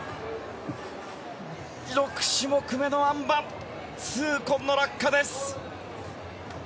６種目めのあん馬痛恨の落下です。